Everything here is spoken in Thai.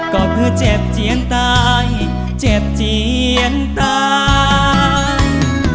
ก็คือเจ็บเจียนตายเจ็บเจียนตาย